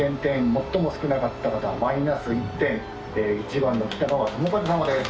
最も少なかった方マイナス１点１番のキタガワトモカズ様です。